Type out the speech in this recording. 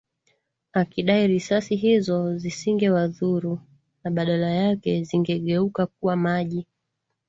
akidai risasi hizo zisingewadhuru na badala yake zingegeuka kuwa maji